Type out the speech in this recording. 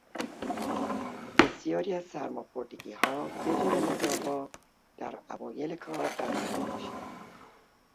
بسیاری از سرماخوردگیها بدون مداوا در اوایل کار برطرف میشوند.